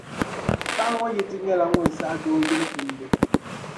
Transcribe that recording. Paɣa ŋɔ yi ti nyɛla ŋun saɣi dooyili kundi.